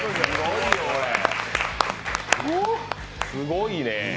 すごいね。